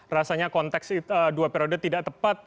rasanya konteks dua periode tidak tepat